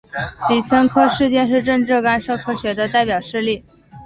李森科事件是政治干涉科学的代表事例。